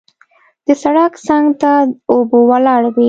د سړک څنګ ته اوبه ولاړې وې.